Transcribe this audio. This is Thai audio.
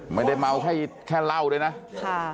ไม่ได้เมาแค่เหล้าด้วยนะค่ะ